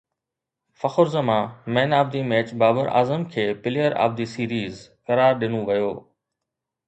فخر Zaman man of the match Babar Azam کي player of the series قرار ڏنو ويو